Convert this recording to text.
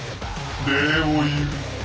礼を言う。